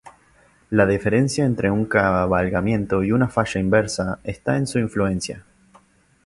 La diferencia entre un cabalgamiento y una falla inversa está en su influencia.